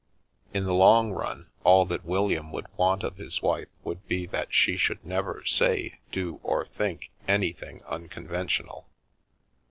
In the long run all that William would want of his wife would be that she should never say, do or think anything unconventional.